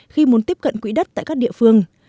khi muốn tiếp cận quỹ đất tại các địa phương